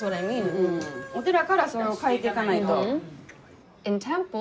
お寺から変えていかないと。